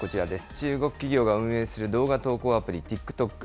中国企業が運営する動画投稿アプリ、ＴｉｋＴｏｋ。